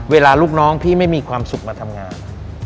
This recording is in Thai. ลูกน้องพี่ไม่มีความสุขมาทำงาน